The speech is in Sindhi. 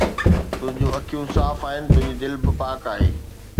تنهنجون اکيون صاف آهن، تنهنجي دل به پاڪ آهي